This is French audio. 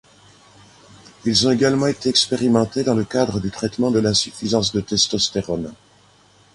Ils ont également été expérimentés dans le cadre du traitement de l’insuffisance de testostérone.